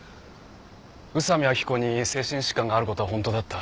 宇佐美秋子に精神疾患があることはホントだった。